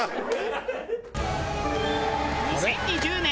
２０２０年